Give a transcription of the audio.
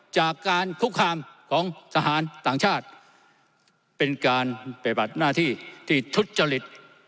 จากการคุกคามของทหารต่างชาติเป็นการปฏิบัติหน้าที่ที่ทุจริต